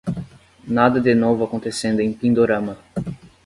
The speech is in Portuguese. Nada de novo acontecendo em Pindorama